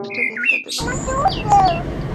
ষষ্ঠ দিন তাঁদের বনে নিয়ে গিয়ে ডান হাত কেটে ফেলা হয়।